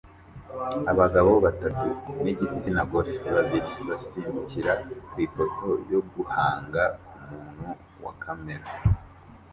Abagabo batatu nigitsina gore babiri basimbukira kwifoto yo guhanga umuntu wa kamera